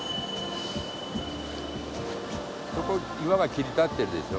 そこ岩が切り立ってるでしょ？